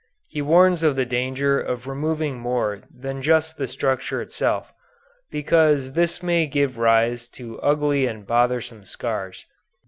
He warns of the danger of removing more than just the structure itself, because this may give rise to ugly and bothersome scars.